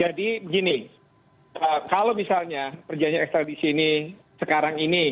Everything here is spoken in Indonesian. jadi gini kalau misalnya perjanjian extradisi ini sekarang ini